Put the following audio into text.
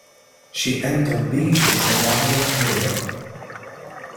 Ŝi entombiĝis en la abatejo.